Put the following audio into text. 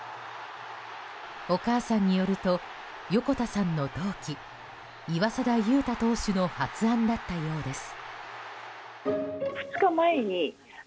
お母さんによると横田さんの同期岩貞祐太投手の発案だったようです。